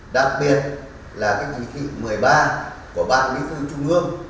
đặc biệt là chỉ thị một mươi ba của bản lý phương trung ương